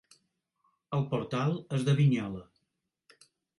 El portal és de Vignola.